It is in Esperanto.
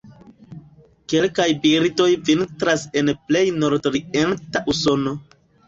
Kelkaj birdoj vintras en plej nordorienta Usono.